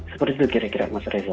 seperti itu kira kira